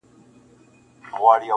چي دولت لرې ښاغلی یې هرچا ته,